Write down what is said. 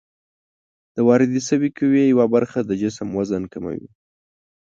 د واردې شوې قوې یوه برخه د جسم وزن کموي.